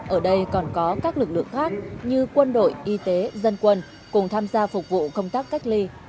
ở đây còn có các lực lượng khác như quân đội y tế dân quân cùng tham gia phục vụ công tác cách ly